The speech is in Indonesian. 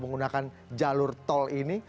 melakukan jalur tol ini